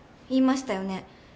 言いましたよね